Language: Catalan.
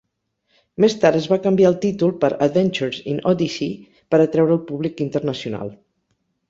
Més tard, es va canviar el títol per "Adventures in Odyssey" per "atreure el públic internacional".